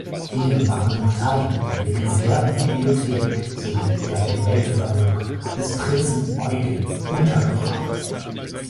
Hier waren auch Teile der legendären Bibliothek sowie der Gemäldesammlung des Prinzen Eugen untergebracht.